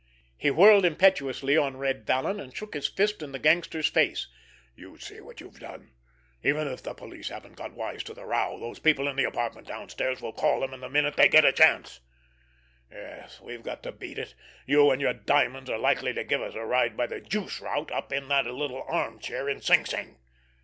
He whirled impetuously on Red Vallon, and shook his fist in the gangster's face. "You see what you've done! Even if the police haven't got wise to the row, those people in the apartments downstairs will call them in the minute they get a chance. Yes, we've got to beat it! You and your diamonds are likely to give us a ride by the juice route up in that little armchair in Sing Sing.